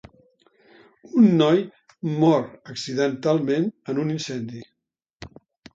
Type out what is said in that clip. Un noi mor accidentalment en un incendi.